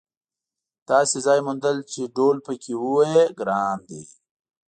داسې ځای موندل چې ډهل پکې ووهې ګران دي.